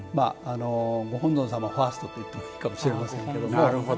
御本尊様ファーストと言ってもいいかもしれませんけれども。